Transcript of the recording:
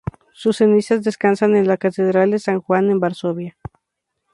Sus cenizas descansan en la catedral de San Juan en Varsovia.